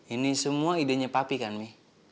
ini semua idenya papi kan mi